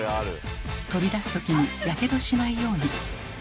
取り出す時にやけどしないように。